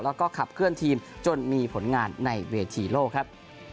แล้วก็ขับเคลื่อนทีมจนมีผลงานในเวทีโลกครับ